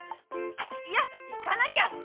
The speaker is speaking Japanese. いや行かなきゃ！